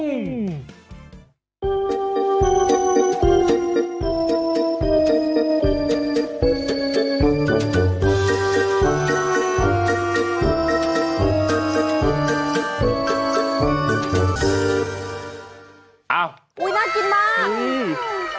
อุ๊ยน่ากินมาก